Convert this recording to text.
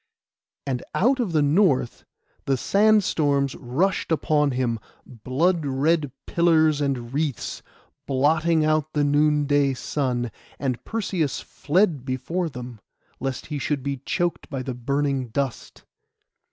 And out of the north the sandstorms rushed upon him, blood red pillars and wreaths, blotting out the noonday sun; and Perseus fled before them, lest he should be choked by the burning dust.